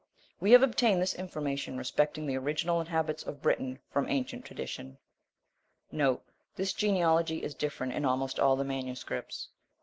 We have obtained this information respecting the original inhabitants of Britain from ancient tradition. * This genealogy is different in almost all the MSS.